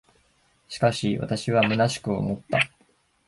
しかし、私は虚しく思った。